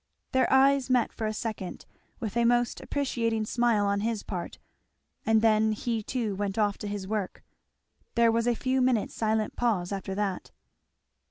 Their eyes met for a second, with a most appreciating smile on his part; and then he too went off to his work. There was a few minutes' silent pause after that.